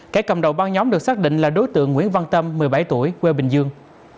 kẻ cầm đầu băng nhóm được xác định là đối tượng nguyễn văn tâm một mươi bảy tuổi quê bình dương